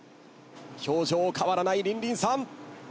表情変わらないリンリンさん！